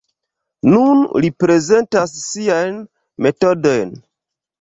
Nun li prezentas siajn metodojn.